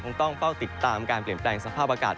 ต้องเฝ้าติดตามการเปลี่ยนแปลงสภาพอากาศ